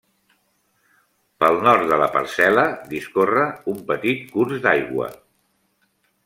Pel nord de la parcel·la discorre petit curs d'aigua.